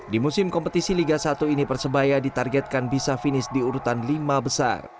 di musim kompetisi liga satu ini persebaya ditargetkan bisa finish di urutan lima besar